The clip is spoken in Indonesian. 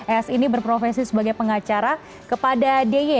es ini berprofesi sebagai pengacara kepada dy